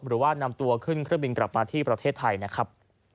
หรือว่านำตัวขึ้นเครื่องบินกลับมาที่ประเทศไทยนะครับ